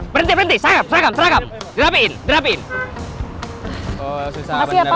berhenti berhenti saya berangkat grafik grafik